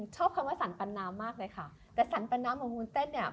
ชอบคำว่าสรรปันน้ำมากเลยค่ะแต่สรรปันน้ำของวุ้นเต้นเนี่ย